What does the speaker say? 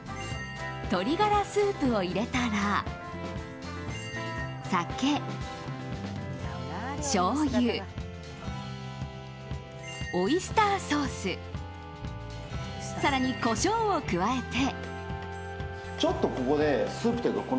鶏ガラスープを入れたら酒、しょうゆ、オイスターソース更にコショウを加えて。